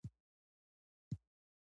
د ټولو پانګوالو ترمنځ یووالی ناممکن وو